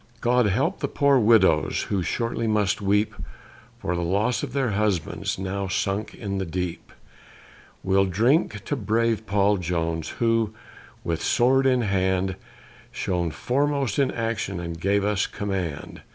God help the poor widows, who shortly must weep For the loss of their husbands, now sunk in the deep! We'll drink to brave Paul Jones, who, with sword in hand, Shone foremost in action, and gave us command.